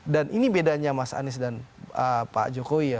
dan ini bedanya mas anies dan pak jokowi ya